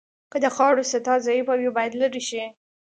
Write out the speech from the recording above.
که د خاورې سطحه ضعیفه وي باید لرې شي